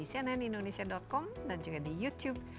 di cnnindonesia com dan juga di youtube